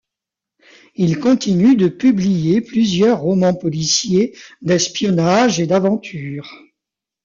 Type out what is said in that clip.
Il continue de publier plusieurs romans policiers, d'espionnage et d'aventures.